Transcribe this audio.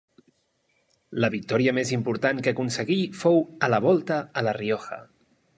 La victòria més important que aconseguí fou a la Volta a La Rioja.